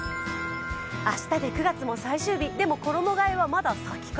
明日で９月も最終日、でも衣替えはまだ先か。